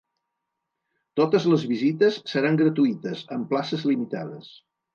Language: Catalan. Totes les visites seran gratuïtes, amb places limitades.